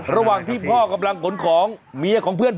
ระหว่างที่พ่อกำลังขนของเมียของเพื่อน